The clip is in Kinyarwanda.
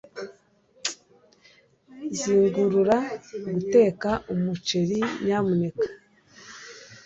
zingurura guteka umuceri, nyamuneka